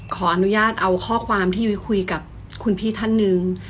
ขออนุญาตเอาข้อความที่ยุ้ยคุยกับคุณพี่ท่านหนึ่ง